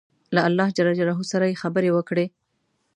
له الله جل جلاله سره یې خبرې وکړې.